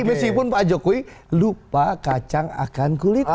meskipun pak jokowi lupa kacang akan kulit